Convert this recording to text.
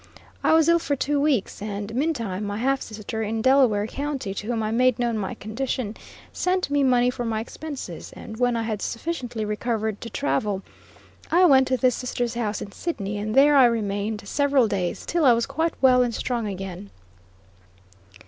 I was ill for two weeks, and meantime, my half sister in Delaware County, to whom I made known my condition, sent me money for my expenses, and when I had sufficiently recovered to travel, I went to this sister's house in Sidney, and there I remained several days, till I was quite well and strong again.